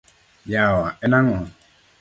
Yawa en ang’o?